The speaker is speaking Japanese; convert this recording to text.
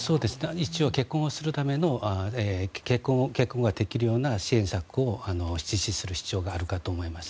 一応、結婚をできるような支援策を実施する必要があるかと思います。